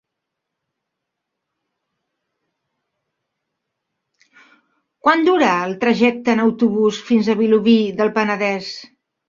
Quant dura el trajecte en autobús fins a Vilobí del Penedès?